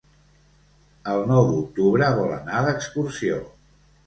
El nou d'octubre vol anar d'excursió.